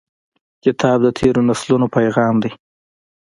کتاب د تیرو نسلونو پیغام دی.